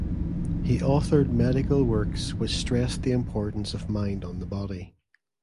He authored medical works which stressed the importance of mind on the body.